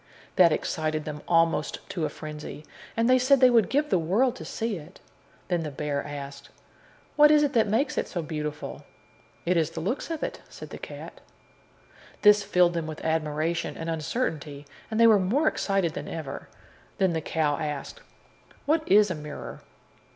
That excited them almost to a frenzy, and they said they would give the world to see it. Then the bear asked: "What is it that makes it so beautiful?" "It is the looks of it," said the cat. This filled them with admiration and uncertainty, and they were more excited than ever. Then the cow asked: "What is a mirror?"